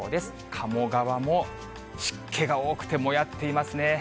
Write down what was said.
鴨川も湿気が多くてもやっていますね。